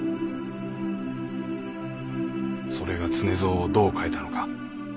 それが常蔵をどう変えたのか。